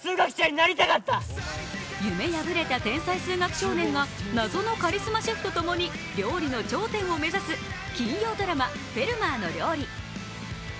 夢破れた天才数学少年が謎のカリスマシェフとともに料理の頂点を目指す金曜ドラマ「フェルマーの料理」。